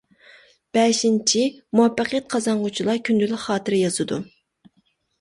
بەشىنچى، مۇۋەپپەقىيەت قازانغۇچىلار كۈندىلىك خاتىرە يازىدۇ.